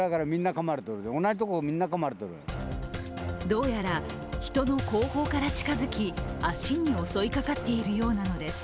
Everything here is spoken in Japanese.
どうやら人の後方から近づき足に襲いかかっているようなのです。